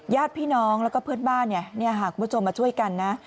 ญาติพี่น้องแล้วก็เพื่อนบ้านคุณผู้ชมมาช่วยกันนะ